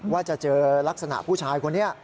ว่าจะเจอลักษณะผู้ชายคนนี้